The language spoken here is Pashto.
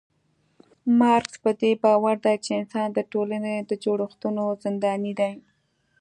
مارکس پدې باور دی چي انسان د ټولني د جوړښتونو زنداني دی